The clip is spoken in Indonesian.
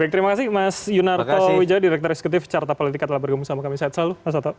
terima kasih mas yunarto widjo direktur eksekutif carta politik telah bergumul sama kami saat selalu